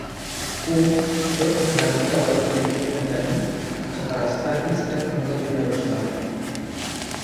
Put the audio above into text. Ул, бер көн Ғәбит ағай килеп киткәндән һуң, Ҡыҙырасҡа һис тә тынғы бирмәй башланы.